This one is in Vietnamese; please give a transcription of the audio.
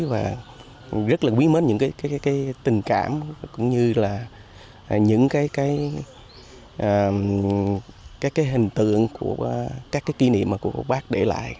và rất là quý mến những cái tình cảm cũng như là những cái hình tượng của các cái kỷ niệm của bác để lại